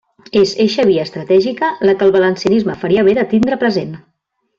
És eixa via estratègica la que el valencianisme faria bé de tindre present.